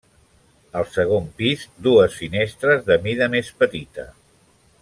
Al segon pis, dues finestres de mida més petita.